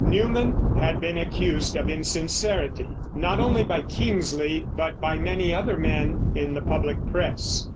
Newman had been accused of insincerity, not only by Kingsley but by many other men, in the public press.